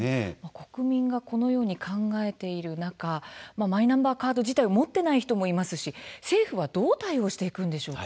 国民がこのように考えている中マイナンバーカード自体持っていない方もいますし政府はどう対応していくんでしょうか。